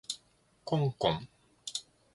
こんこん